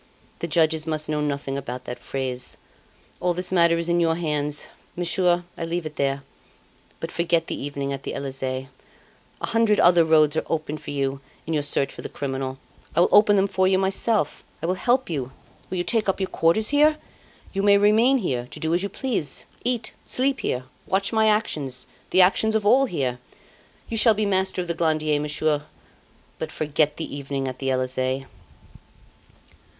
The judges must know nothing about that phrase. All this matter is in your hands. Monsieur, I leave it there; but forget the evening at the Elysee. A hundred other roads are open to you in your search for the criminal. I will open them for you myself. I will help you. Will you take up your quarters here? You may remain here to do as you please. Eat sleep here watch my actions the actions of all here. You shall be master of the Glandier, Monsieur; but forget the evening at the Elysee.